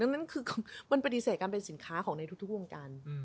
นั่นคือมันปฏิเสธการเป็นสินค้าของในทุกวงการ